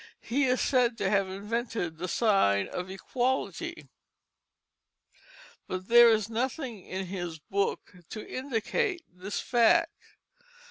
He is said to have invented the sign of equality =, but there is nothing in his book to indicate this fact.